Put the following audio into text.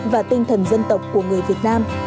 và tinh thần dân tộc của người việt nam